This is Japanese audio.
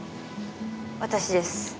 私です。